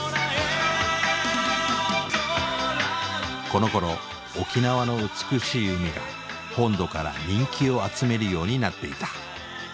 このころ沖縄の美しい海が本土から人気を集めるようになっていた。